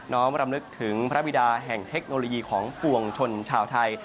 ้อมรำลึกถึงพระบิดาแห่งเทคโนโลยีของปวงชนชาวไทย